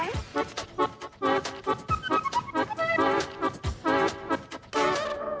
อะไรล่ะ